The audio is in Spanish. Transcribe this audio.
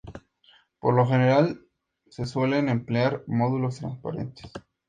Por lo general, se suelen emplear módulos transparentes.